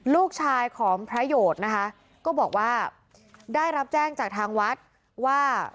ลูกชายของพระโยชน์นะคะก็บอกว่าได้รับแจ้งจากทางวัดว่า